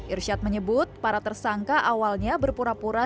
irsyad menyebut para tersangka awalnya berpura pura